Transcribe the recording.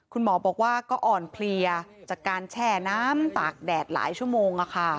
คุณหมอบอกว่าก็อ่อนเพลียจากการแช่น้ำตากแดดหลายชั่วโมง